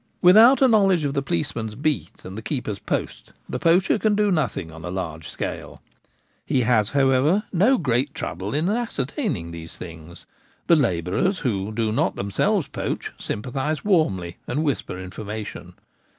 Without a knowledge of the policeman's beat and the keeper's post the poacher can do nothing on a large scale. He has, however, no great trouble in ascertaining these things ; the labourers who do not themselves poach sympathise warmly and whisper information.